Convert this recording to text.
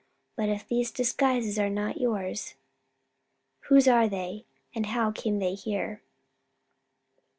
But if these disguises are not yours, whose are they? and how came they here?"